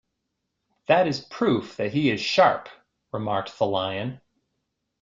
"That is proof that he is sharp," remarked the Lion.